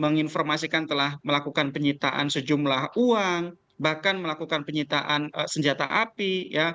menginformasikan telah melakukan penyitaan sejumlah uang bahkan melakukan penyitaan senjata api